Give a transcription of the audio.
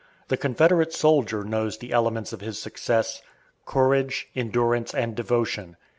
The Confederate soldier knows the elements of his success courage, endurance, and devotion.